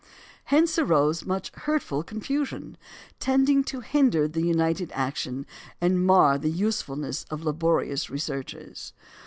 Hence arose much hurtful confusion, tending to hinder united action and mar the usefulness of laborious researches.